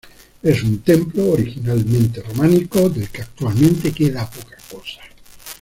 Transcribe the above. Es un templo originalmente románico, del que actualmente queda poca cosa.